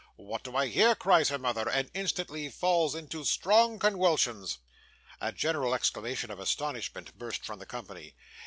"What do I hear?" cries her mother; and instantly falls into strong conwulsions.' A general exclamation of astonishment burst from the company.